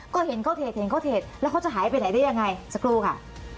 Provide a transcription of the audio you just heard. ก็เห็นเขาเทรดแล้วเขาจะหายไปไหนได้ยังไงสักครู่ค่ะ